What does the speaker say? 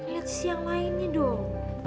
lihat sisi yang lainnya dong